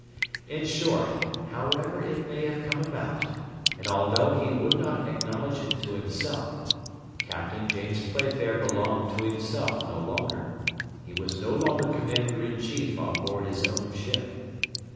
In short, however it may have come about, and although he would not acknowledge it to himself, Captain James Playfair belonged to himself no longer; he was no longer commander in chief on board his own ship.